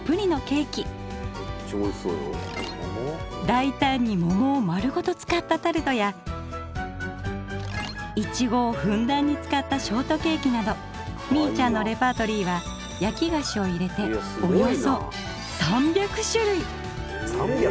だいたんに桃を丸ごと使ったタルトやいちごをふんだんに使ったショートケーキなどみいちゃんのレパートリーはやき菓子を入れておよそ３００種類！